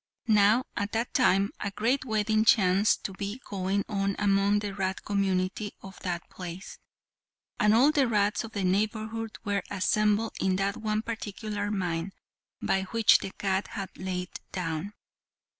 Now at that time a great wedding chanced to be going on among the rat community of that place, and all the rats of the neighbourhood were assembled in that one particular mine by which the cat had lain down.